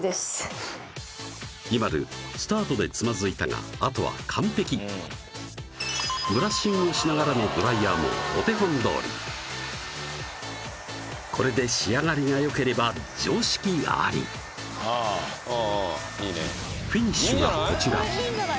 ＩＭＡＬＵスタートでつまずいたがあとは完璧ブラッシングをしながらのドライヤーもお手本どおりこれで仕上がりがよければ常識ありＦＩＮＩＳＨがこちら